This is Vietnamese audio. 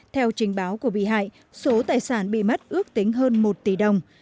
theo trình báo của bị hại số tài sản bị mất ước tính hơn một tỷ đồng